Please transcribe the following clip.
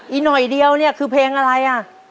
อีกหน่อยเดียวเนี่ยคือเพลงอะไรอ่ะ